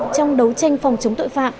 trong đấu tranh phòng chống tội phạm